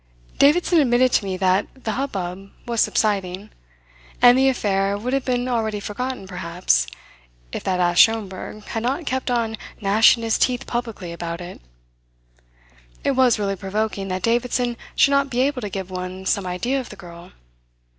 Davidson admitted to me that, the hubbub was subsiding; and the affair would have been already forgotten, perhaps, if that ass Schomberg had not kept on gnashing his teeth publicly about it. It was really provoking that Davidson should not be able to give one some idea of the girl.